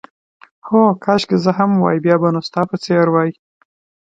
هو، کاشکې زه هم وای، بیا به نو ستا په څېر وای.